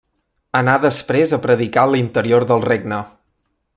Anà després a predicar a l'interior del regne.